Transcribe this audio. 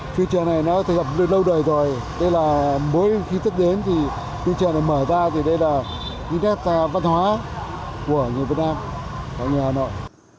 phiên chợ này nó đã gặp lâu đời rồi đây là mỗi khi tức đến thì phiên chợ này mở ra thì đây là cái nét văn hóa của người việt nam của người hà nội